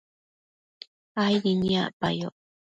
aidi niacpayoc